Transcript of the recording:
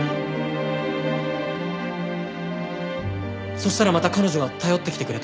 そしたらまた彼女が頼ってきてくれた。